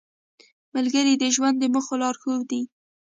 ملګری د ژوند د موخو لارښود دی